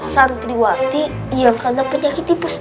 santriwati yang kena penyakit tipes